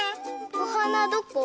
おはなどこ？